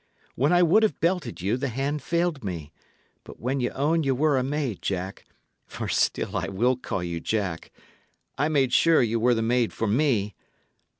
When I would have belted you, the hand failed me. But when ye owned ye were a maid, Jack for still I will call you Jack I made sure ye were the maid for me.